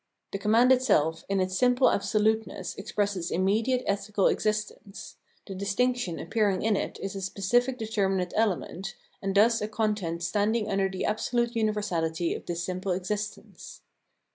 The command itself in its simple absoluteness expresses immediate ethical exist ence ; the distinction appearing in it is . a specific determinate element, and thus a content standing under the absolute universality of this simple existence.